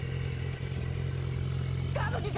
歌舞伎！